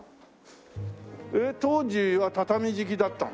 えっ当時は畳敷きだったの？